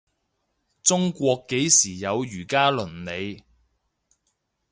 中國幾時有儒家倫理